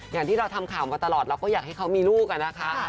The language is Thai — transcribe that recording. อย่างที่เราทำข่าวมาตลอดเราก็อยากให้เขามีลูกอะนะคะ